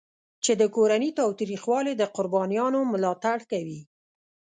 چې د کورني تاوتریخوالي د قربانیانو ملاتړ کوي.